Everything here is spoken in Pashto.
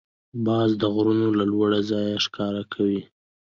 باز د غرونو له لوړ ځایه ښکار کوي